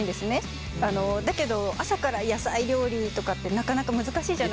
あのだけど朝から野菜料理とかってなかなか難しいじゃないですか。